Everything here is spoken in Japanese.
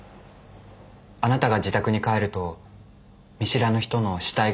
あなたが自宅に帰ると見知らぬ人の死体がありました。